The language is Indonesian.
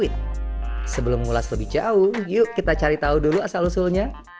tunggu dulu asal usulnya